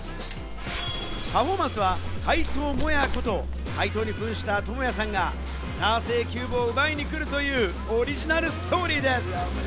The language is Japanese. パフォーマンスは、怪盗モヤこと、怪盗に扮したトモヤさんがスター性キューブを奪いに来るというオリジナルストーリーです。